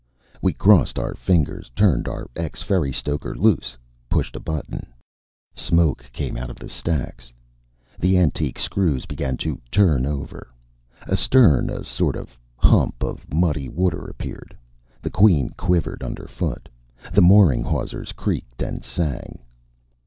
We crossed our fingers, turned our ex ferry stoker loose, pushed a button Smoke came out of the stacks. The antique screws began to turn over. Astern, a sort of hump of muddy water appeared. The Queen quivered underfoot. The mooring hawsers creaked and sang.